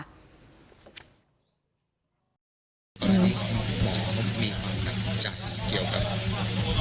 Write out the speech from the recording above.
ตอนนี้หมอมีความตั้งใจเกี่ยวกับ